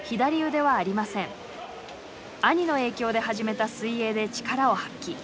兄の影響で始めた水泳で力を発揮。